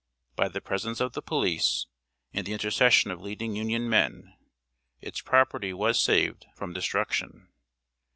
By the presence of the police, and the intercession of leading Union men, its property was saved from destruction.